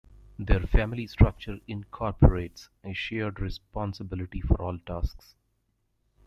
Their family structure incorporates a shared responsibility for all tasks.